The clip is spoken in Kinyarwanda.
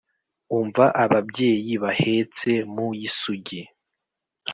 umva ababyeyi bahetse mu y'isugi